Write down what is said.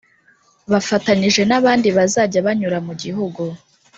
Bafatanyije n abandi bazajya banyura mu gihugu